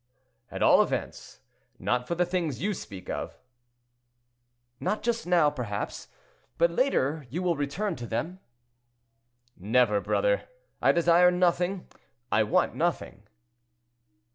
"At all events, not for the things you speak of." "Not just now, perhaps, but later you will return to them." "Never, brother; I desire nothing—I want nothing."